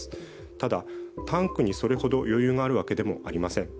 ただタンクにそれほど余裕があるわけでもありません。